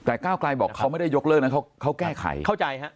แต่ก้าวไกลบอกเขาไม่ได้ยกเลิกนั้นเขาแก้ไขเข้าใจฮะ